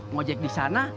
mau jik di sana